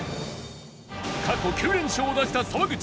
過去９連勝を出した沢口